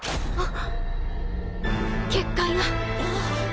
あっ。